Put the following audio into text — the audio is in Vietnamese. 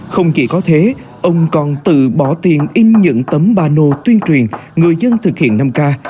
không chỉ có thế ông còn tự bỏ tiền in những tấm ba nô tuyên truyền người dân thực hiện năm k